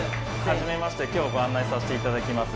初めまして今日ご案内させていただきます